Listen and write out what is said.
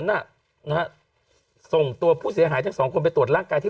นะฮะส่งตัวผู้เสียหายทั้งสองคนไปตรวจร่างกายที่